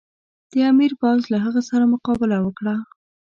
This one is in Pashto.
د امیر پوځ له هغه سره مقابله وکړه.